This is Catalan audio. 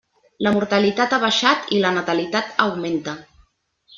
La mortalitat ha baixat i la natalitat augmenta.